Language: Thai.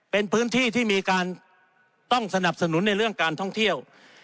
เป็นพื้นที่ที่มีการต้องสนับสนุนในเรื่องการท่องเที่ยว